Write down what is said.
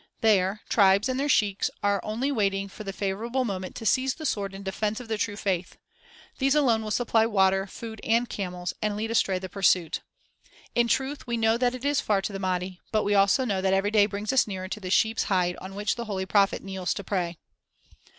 There, tribes and their sheiks are only waiting for the favorable moment to seize the sword in defense of the true faith. These alone will supply water, food, and camels, and lead astray the pursuit. In truth, we know that it is far to the Mahdi, but we know also that every day brings us nearer to the sheep's hide on which the holy prophet kneels to pray."